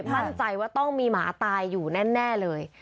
มั่นใจว่าต้องมีหมาตายอยู่แน่เลย